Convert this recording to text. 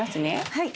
はい。